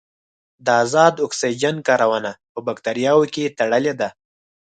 د ازاد اکسیجن کارونه په باکتریاوو کې تړلې ده.